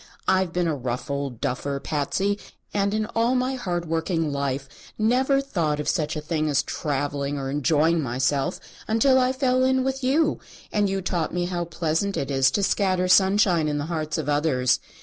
I've been a rough old duffer, Patsy, and in all my hard working life never thought of such a thing as travelling or enjoying myself until I fell in with you, and you taught me how pleasant it is to scatter sunshine in the hearts of others.